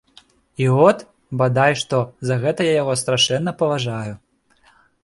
І от, бадай што, за гэта я яго страшэнна паважаю.